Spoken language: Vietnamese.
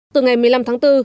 từ ngày một mươi năm tháng bốn